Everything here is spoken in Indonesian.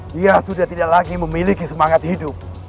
dia sudah tidak lagi memiliki semangat hidup